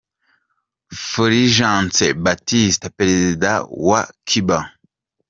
Fulgencio Batista, perezida wa wa Cuba.